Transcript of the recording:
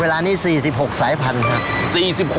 เวลานี้๔๖สายพันธุ์ครับ